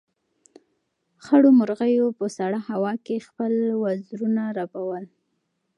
خړو مرغیو په سړه هوا کې خپل وزرونه رپول.